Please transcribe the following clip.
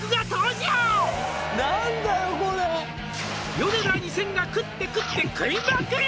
「ヨネダ２０００が食って食って食いまくる！」